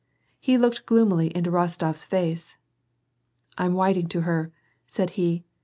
He looked gloomily into Rostof 's face. " I'm w'iting to her," said he.